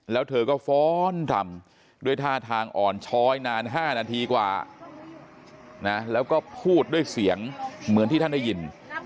แล้วเธอก็ฟ้อนรำด้วยท่าทางอ่อนช้อยนาน๕นาทีกว่านะแล้วก็พูดด้วยเสียงเหมือนที่ท่านได้ยิน